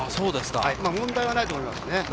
問題はないと思いますね。